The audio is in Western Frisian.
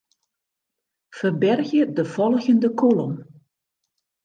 Ferbergje de folgjende kolom.